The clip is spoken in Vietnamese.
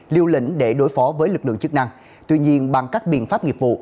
liều lĩnh để đối phó với lực lượng chức năng tuy nhiên bằng các biện pháp nghiệp vụ